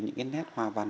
những cái nét hoa văn